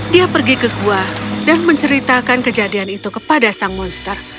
dia pergi ke gua dan menceritakan kejadian itu kepada sang monster